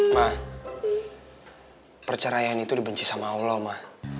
ma perceraian itu dibenci sama allah ma